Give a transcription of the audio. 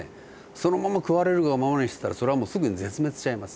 そのまま食われるがままにしてたらそれはもうすぐに絶滅しちゃいます。